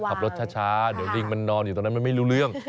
ขับรถช้าเดี๋ยวลิงมันนอนอยู่ตรงนั้นมันไม่รู้เรื่อง